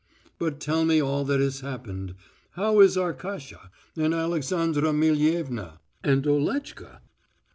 But tell me all that has happened. How is Arkasha and Alexandra Millievna and Oletchka?"